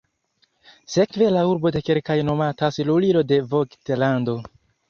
Sekve la urbo de kelkaj nomatas lulilo de Vogt-lando.